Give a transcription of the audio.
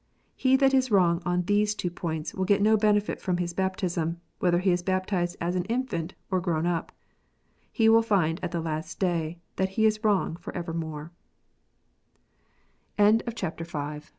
He that is wrong on these two points will get no benefit from his baptism, whether he is baptized as an infant or grown up. He will find at the last day that he is wrong for evermore. VI. REGENERATION.